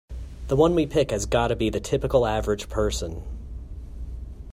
The one we pick has gotta be the typical average person.